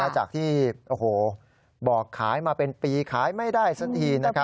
จากที่บอกขายมาเป็นปีขายไม่ได้สักที